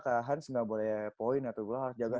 kak hans gak boleh poin atau gue gak jaga